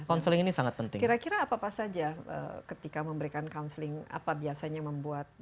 counselling ini sangat penting kira kira apa saja ketika memberikan counselling apa biasanya membuat